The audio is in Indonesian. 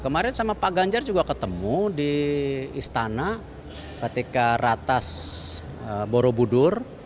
kemarin sama pak ganjar juga ketemu di istana ketika ratas borobudur